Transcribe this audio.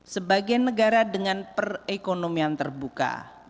sebagai negara dengan perekonomian terbuka